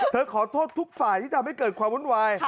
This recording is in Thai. ขอโทษทุกฝ่ายที่ทำให้เกิดความวุ่นวาย